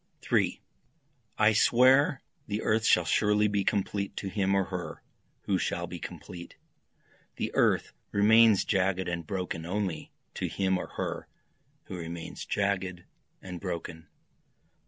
3 I swear the earth shall surely be complete to him or her who shall be complete, The earth remains jagged and broken only to him or her who remains jagged and broken.